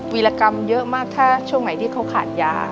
วิรกรรมเยอะมากถ้าช่วงไหนที่เขาขาดยา